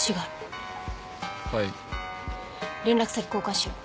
連絡先交換しよう。